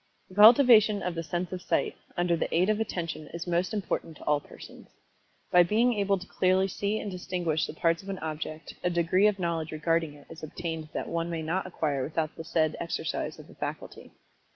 The cultivation of the sense of Sight, under the aid of Attention is most important to ail persons. By being able to clearly see and distinguish the parts of an object, a degree of knowledge regarding it is obtained that one may not acquire without the said exercise of the faculty.